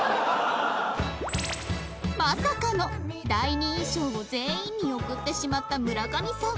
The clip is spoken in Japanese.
まさかの第二印象を全員に送ってしまった村上さん